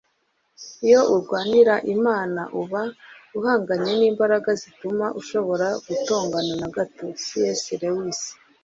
iyo urwanira imana uba uba uhanganye n'imbaraga zituma ushobora gutongana na gato - c s lewis